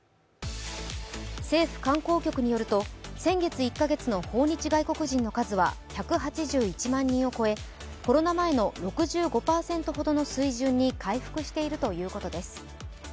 政府・観光局によると先月１か月の訪日外国人の数は１８１万人を超えコロナ前の６５％ほどの水準に回復しているということです。